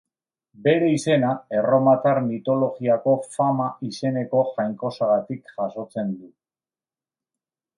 Bere izena, erromatar mitologiako Fama izeneko jainkosagatik jasotzen du.